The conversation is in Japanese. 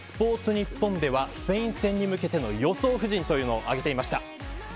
ニッポンではスペイン戦に向けての予想布陣というのが出ていました。